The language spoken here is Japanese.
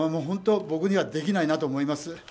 本当、僕にはできないなと思います。